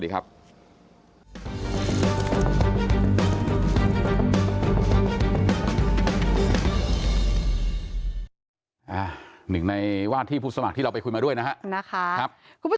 ขอบคุณครับสวัสดีครับ